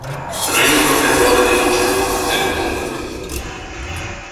Trăim într-o perioadă de incertitudine economică.